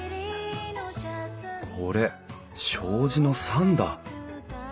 これ障子の桟だ。